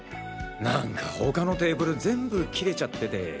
なんか他のテーブル全部切れちゃってて。